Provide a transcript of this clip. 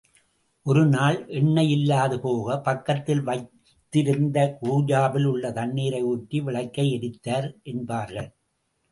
ஒரு நாள் எண்ணெய் இல்லாது போக, பக்கத்தில் வைத்திருந்த கூஜாவில் உள்ள தண்ணீரையே ஊற்றி விளக்கை எரித்தார் என்பார்கள்.